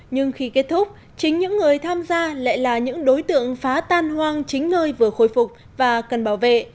nhưng khi kết thúc chính những người tham gia lại là những đối tượng phá tan hoang chính nơi vừa khôi phục và cần bảo vệ